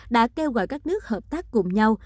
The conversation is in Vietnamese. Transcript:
đã kêu gọi các nước hợp tác cùng nhau